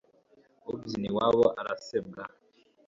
ubyina iwabo arasebwa